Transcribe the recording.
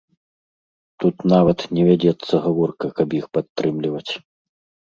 Тут нават не вядзецца гаворка, каб іх падтрымліваць.